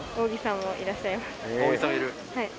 はい。